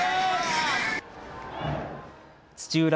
土浦